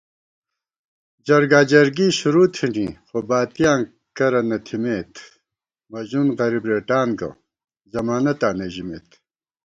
جرگا جرگی شروع تھنی، خو باتِیاں کرہ نہ تھِمېت * مجنُون غریبہ رېٹان گہ، ضمانَتاں نہ ژِمېت